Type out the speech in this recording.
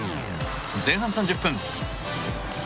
前半３０分。